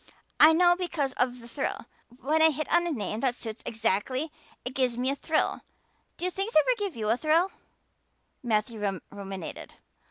I know because of the thrill. When I hit on a name that suits exactly it gives me a thrill. Do things ever give you a thrill?" Matthew ruminated.